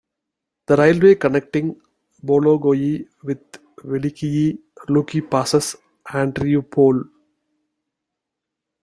The railway connecting Bologoye with Velikiye Luki passes Andreapol.